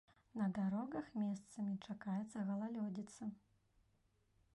На дарогах месцамі чакаецца галалёдзіца.